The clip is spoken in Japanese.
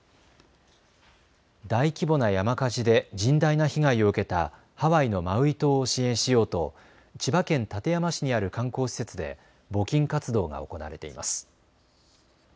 大規模な山火事で甚大な被害を受けたハワイのマウイ島を支援しようと千葉県館山市にある観光施設で募金活動が行われています。